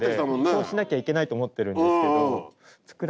そうしなきゃいけないと思ってるんですけど作らなくても。